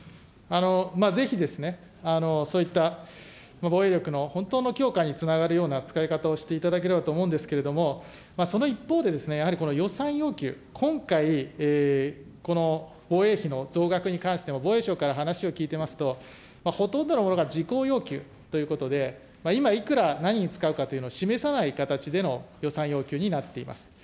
ぜひですね、そういった防衛力の本当の強化につながるような使い方をしていただければと思うんですけれども、その一方で、やはりこの予算要求、今回、この防衛費の増額に関しても、防衛省から話を聞いてますと、ほとんどのものが事項要求ということで今、いくら、何に使うかというのを示さない形での予算要求になっています。